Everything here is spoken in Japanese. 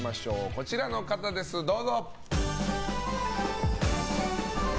こちらの方です、どうぞ。